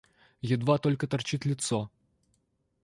Едва только торчит лицо.